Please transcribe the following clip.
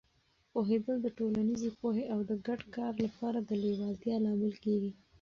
پوهېدل د ټولنیزې پوهې او د ګډ کار لپاره د لیوالتیا لامل کېږي.